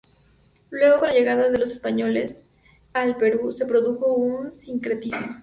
Luego, con la llega de los españoles al Perú se produjo un sincretismo.